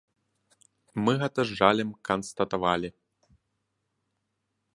Мы гэта з жалем канстатавалі.